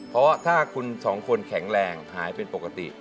เพราะถ้าคุณสองคนแข็งแรงหายเป็นปกติ